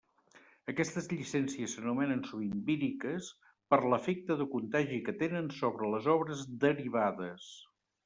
Aquestes llicències s'anomenen sovint “víriques” per l'efecte de contagi que tenen sobre les obres derivades.